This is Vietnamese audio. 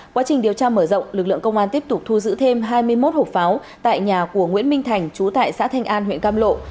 quá trình điều tra mở rộng lực lượng công an tiếp tục thu giữ thêm hai mươi một hộp pháo tại nhà của nguyễn minh thành chú tại xã thanh an huyện cam lộ